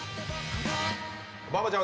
馬場ちゃん